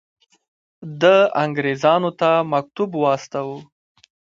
ده انګرېزانو ته مکتوب واستاوه.